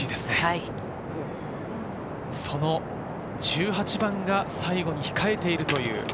その１８番が最後に控えている。